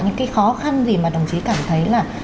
những cái khó khăn gì mà đồng chí cảm thấy là